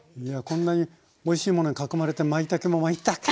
いやこんなにおいしいものに囲まれてまいたけも「まいった！」